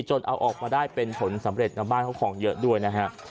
จนเอาออกมาได้เป็นผลสำเร็จนะบ้านเขาของเยอะด้วยนะฮะ